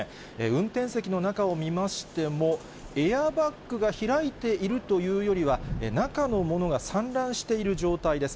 運転席の中を見ましても、エアバッグが開いているというよりは、中のものが散乱している状態です。